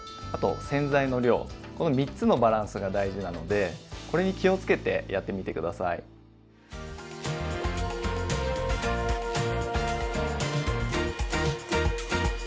あと洗剤の量この３つのバランスが大事なのでこれに気をつけてやってみて下さい。